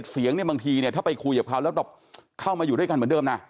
๒๑เสียงบางทีถ้าไปคุยกับเขาแล้วเข้ามาอยู่ด้วยกันเหมือนเดิม